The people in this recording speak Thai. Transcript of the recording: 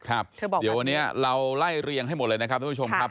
เดี๋ยววันนี้เราไล่เรียงให้หมดเลยนะครับทุกผู้ชมครับ